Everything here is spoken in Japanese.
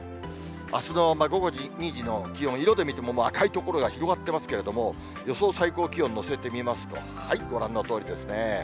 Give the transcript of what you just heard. あすの午後２時の気温、色で見ても赤い所が広がってますけれども、予想最高気温乗せてみますと、はい、ご覧のとおりですね。